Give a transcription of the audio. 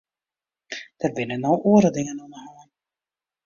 Der binne no oare dingen oan de hân.